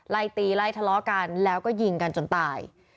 ไล่ตีไล่ทะเลาะกันแล้วก็ยิงกันจนตาย